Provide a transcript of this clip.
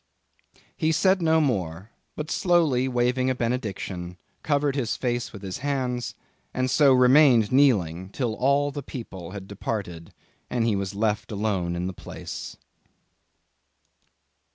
He said no more, but slowly waving a benediction, covered his face with his hands, and so remained kneeling, till all the people had departed, and he was left alone in the place.